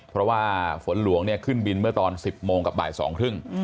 เพราะว่าฝนหลวงเนี่ยขึ้นบินเมื่อตอน๑๐โมงกับบ่ายสองครึ่ง